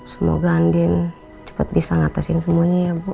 semoga andin cepat bisa mengatasin semuanya ya bu